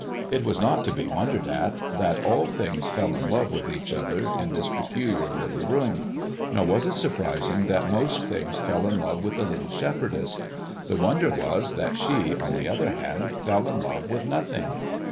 It was not to be wondered at that all things fell in love with each other in this peculiar little room; nor was it surprising that most things fell in love with the little shepherdess. The wonder was that she, on the other hand, fell in love with nothing.